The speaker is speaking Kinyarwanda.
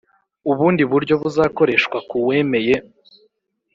ubundi buryo buzakoreshwa ku wemeye